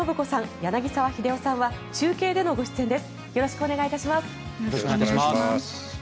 柳澤秀夫さんは中継でのご出演です。